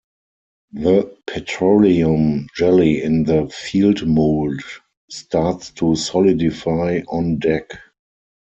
The petroleum jelly in the field-mould starts to solidify on deck.